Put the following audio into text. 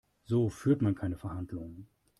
So führt man keine Verhandlungen.